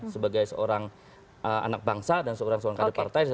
sebagai seorang anak bangsa dan seorang kader partai